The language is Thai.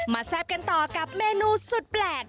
แซ่บกันต่อกับเมนูสุดแปลก